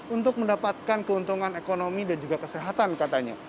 untuk mendapatkan keuntungan ekonomi dan juga kesehatan katanya